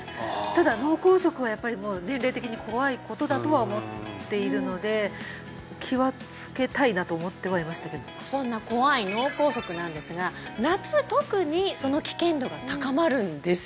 ただ脳梗塞はやっぱりもう年齢的に怖いことだとは思っているので気をつけたいなと思ってはいましたけどそんな怖い脳梗塞なんですが夏特にその危険度が高まるんですよ